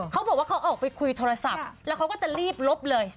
เขาบอกว่าเขาออกไปคุยโทรศัพท์แล้วเขาก็จะรีบลบเลย